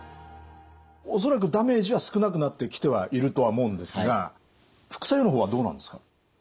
恐らくダメージは少なくなってきてはいるとは思うんですが副作用の方はどうなんですか？